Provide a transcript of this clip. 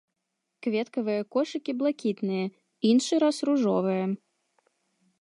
Кветкавыя кошыкі блакітныя, іншы раз ружовыя.